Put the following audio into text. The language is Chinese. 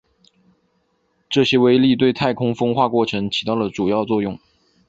这些微粒对太空风化过程起到了主要作用。